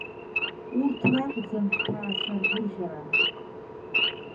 Урҭ ракәӡан ҳҭаацәа ргәырӷьара.